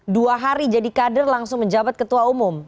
dua hari jadi kader langsung menjabat ketua umum